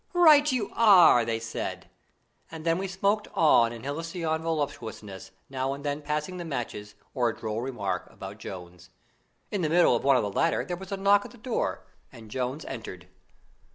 '" "Right you are!" they said; and then we smoked on in halcyon voluptuousness, now and then passing the matches or a droll remark about Jones. In the middle of one of the latter there was a knock at the door, and Jones entered.